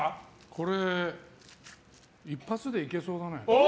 これ、一発でいけそうだね。